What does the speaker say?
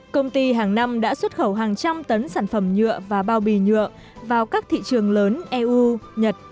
công ty hàng năm đã xuất khẩu hàng trăm tấn sản phẩm nhựa và bao bì nhựa vào các thị trường lớn eu nhật